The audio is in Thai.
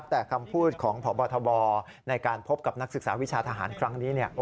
แต่คำพูดของพบทบในการพบกับนักศึกษาวิชาทหารครั้งนี้